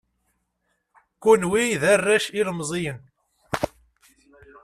Kunwi d arrac ilemẓiyen.